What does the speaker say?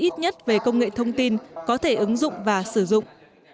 ít nhất về công nghệ thông tin có thể ứng dụng và sử dụng